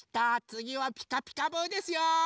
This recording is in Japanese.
つぎは「ピカピカブ！」ですよ。